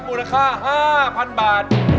มูลค่าห้าพันบาท